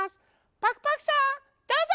パクパクさんどうぞ！